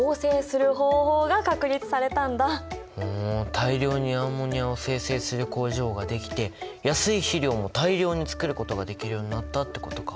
大量にアンモニアを生成する工場ができて安い肥料も大量につくることができるようになったってことか。